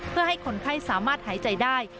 เพื่อให้คนไข้สามารถหายใจได้